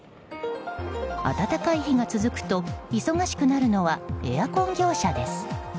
暖かい日が続くと忙しくなるのはエアコン業者です。